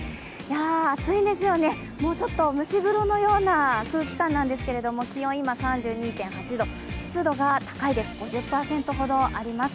暑いんですよね、ちょっと蒸し風呂のような空気感なんですけど、気温今３２．８度、湿度が高いです５０％ほどあります。